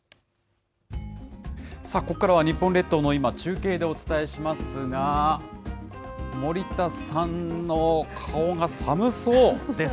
ここからは日本列島の今を中継でお伝えしますが、森田さんの顔が寒そうです。